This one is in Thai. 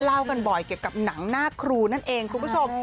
เล่ากันบ่อยเกี่ยวกับหนังหน้าครูนั่นเองคุณผู้ชม